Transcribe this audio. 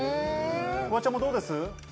フワちゃん、どうです？